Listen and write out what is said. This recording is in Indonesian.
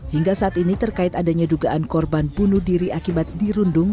hingga saat ini terkait adanya dugaan korban bunuh diri akibat dirundung